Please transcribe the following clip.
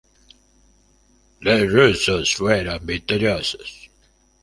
Los rusos fueron victoriosos.